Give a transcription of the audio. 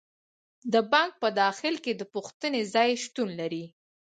د بانک په داخل کې د پوښتنې ځای شتون لري.